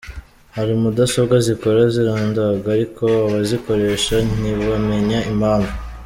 Hari mudasobwa zikora zirandaga ariko abazikoresha nyibamenye impamvu.